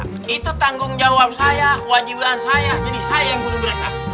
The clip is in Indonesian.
jadi saya yang gunung mereka